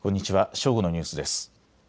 正午のニュースです。